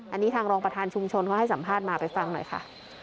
อันนี้ทางรองประธานชุมชนเขาให้สัมภาษณ์มาไปฟังหน่อยค่ะ